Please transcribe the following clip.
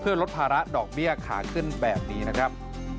ลดภาระดอกเบี้ยขาขึ้นแบบนี้นะครับ